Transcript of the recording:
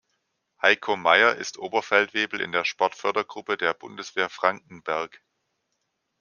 Heiko Meyer ist Oberfeldwebel in der Sportfördergruppe der Bundeswehr Frankenberg.